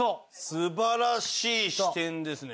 素晴らしい視点ですね